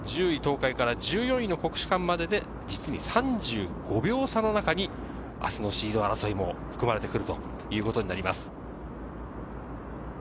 １０位・東海から１４位の国士舘までで実に３５秒差の中に明日のシード争いも含まれてくるということになります。